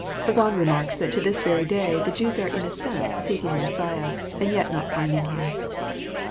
Burgon remarks, that to this very day the Jews are in a sense seeking the Messiah, and yet not finding Him.